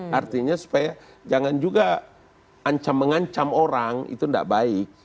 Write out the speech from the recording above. dan makanya supaya jangan juga ancam mengancam orang itu gak baik